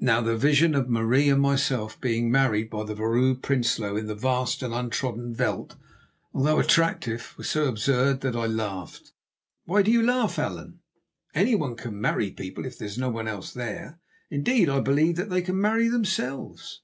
Now, the vision of Marie and myself being married by the Vrouw Prinsloo in the vast and untrodden veld, although attractive, was so absurd that I laughed. "Why do you laugh, Allan? Anyone can marry people if there is no one else there; indeed, I believe that they can marry themselves."